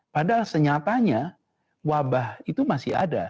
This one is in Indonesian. padahal senyatanya wabah itu masih ada